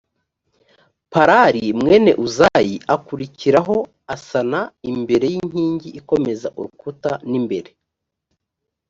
palali mwene uzayi akurikiraho asana imbere y inkingi ikomeza urukuta n imbere